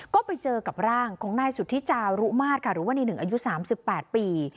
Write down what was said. ก็ไปเจอกับร่างของนายสุธิจารุมาตรค่ะหรือว่าในหนึ่งอายุ๓๘ปี